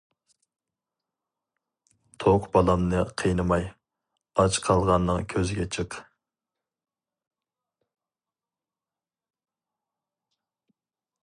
توق بالامنى قىينىماي، ئاچ قالغاننىڭ كۆزىگە چىق.